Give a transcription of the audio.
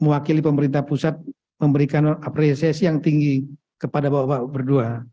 mewakili pemerintah pusat memberikan apresiasi yang tinggi kepada bapak bapak berdua